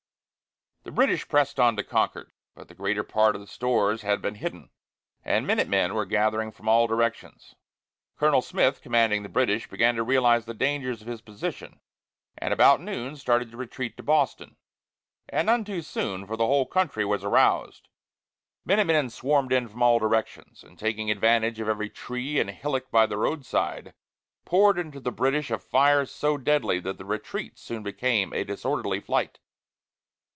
The British pressed on to Concord, but the greater part of the stores had been hidden, and minute men were gathering from all directions. Colonel Smith, commanding the British, began to realize the dangers of his position and about noon started to retreat to Boston. And none too soon, for the whole country was aroused. Minute men swarmed in from all directions, and taking advantage of every tree and hillock by the roadside, poured into the British a fire so deadly that the retreat soon became a disorderly flight.